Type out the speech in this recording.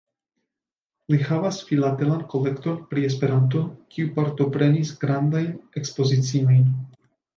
Li havas filatelan kolekton pri Esperanto, kiu partoprenis grandajn ekspoziciojn.